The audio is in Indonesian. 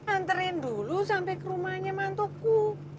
anterin dulu sampe ke rumahnya mantoku